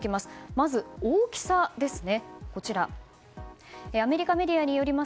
まず大きさですね。